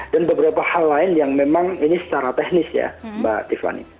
dan beberapa hal lain yang memang ini secara teknis ya mbak tiffany